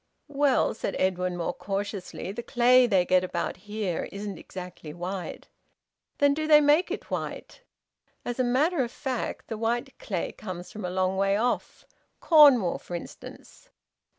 "Well," said Edwin, more cautiously, "the clay they get about here isn't exactly white." "Then do they make it white?" "As a matter of fact the white clay comes from a long way off Cornwall, for instance."